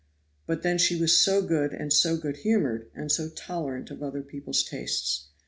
But then she was so good and so good humored, and so tolerant of other people's tastes.